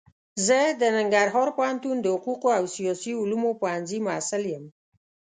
زه د ننګرهار پوهنتون د حقوقو او سیاسي علومو پوهنځي محصل يم.